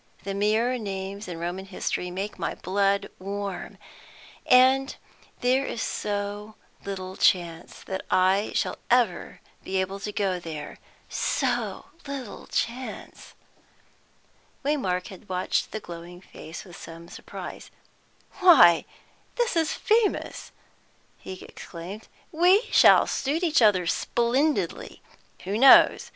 The mere names in Roman history make my blood warm. And there is so little chance that I shall ever be able to go there; so little chance." Waymark had watched the glowing face with some surprise. "Why, this is famous!" he exclaimed. "We shall suit each other splendidly. Who knows?